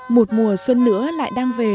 một mùa xuân nữa lại đang về